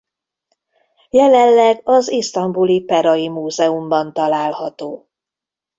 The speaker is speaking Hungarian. Jelenleg az isztambuli Perai Múzeumban található.